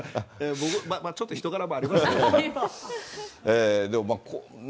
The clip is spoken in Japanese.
僕、ちょっと人柄もありますね。